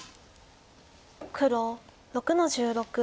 黒６の十六ツギ。